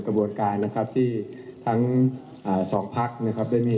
กระบวนการที่ยังมีการหาอะไรได้